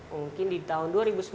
mungkin di tahun dua ribu sembilan belas